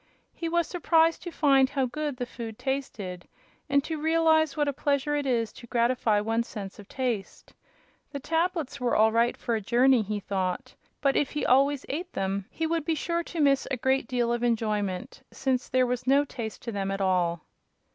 He was surprised to find how good the food tasted, and to realize what a pleasure it is to gratify one's sense of taste. The tablets were all right for a journey, he thought, but if he always ate them he would be sure to miss a great deal of enjoyment, since there was no taste to them at all.